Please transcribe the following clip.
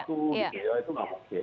itu tidak mungkin